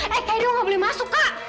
kayaknya lu gak boleh masuk kak